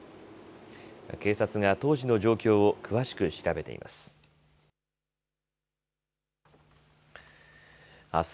警察が当時の状況を詳しく調べています。